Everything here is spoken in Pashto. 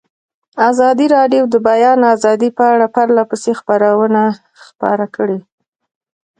ازادي راډیو د د بیان آزادي په اړه پرله پسې خبرونه خپاره کړي.